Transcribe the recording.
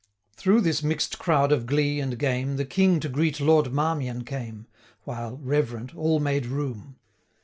Through this mix'd crowd of glee and game, The King to greet Lord Marmion came, 205 While, reverent, all made room.